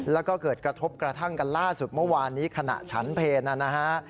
แล้วก็เกิดกระทบกระทั่งกันล่าสุดเมื่อวานนี้ขณะฉันเพลนะฮะ